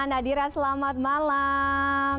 nadira selamat malam